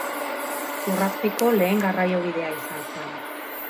Lurrazpiko lehen garraiobidea izan zen.